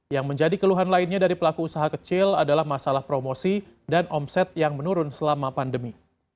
yang menjadi keluhan lainnya dari pelaku usaha kecil adalah masalah promosi dan omset yang menurun selama pandemi